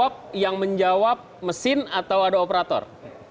dan seterusnya ini yang menjawab mesin atau ada operator